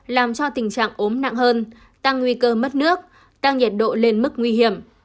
làm cho tình trạng ốm nặng hơn tăng nguy cơ mất nước tăng nhiệt độ lên mức nguy hiểm